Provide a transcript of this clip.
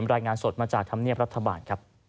รายงานสดมาจากธรรมเนียบรัฐบาลครับ